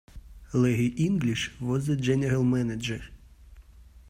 Larry English was the general manager.